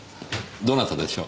どなたでしょう？